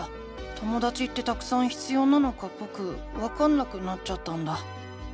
ともだちってたくさん必要なのかぼくわかんなくなっちゃったんだ。